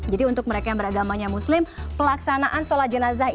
jadi untuk mereka yang beragamanya muslim pelaksanaan sholat jenazah ini